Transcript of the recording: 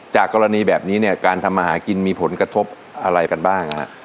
จากกรณีแบบนี้เนี่ยการทำมาหากินมีผลกระทบอะไรกันบ้าง